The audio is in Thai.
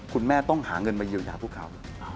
คุณแม่ต้องหาเงินมาเยียวยาพวกเขา